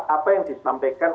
apa yang disampaikan